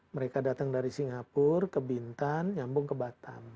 mereka datang dari singapura ke bintan nyambung ke batam